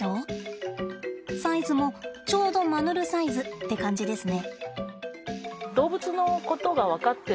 サイズも「ちょうどマヌルサイズ」って感じですね。